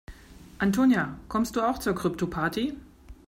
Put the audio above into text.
Antonia, kommst du auch zur Kryptoparty?